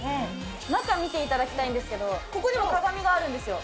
中見ていただきたいんですけど、ここにも鏡があるんですよ。